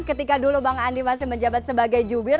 ketika dulu bang andi masih menjabat sebagai jubir